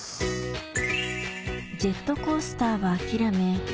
ジェットコースターは諦め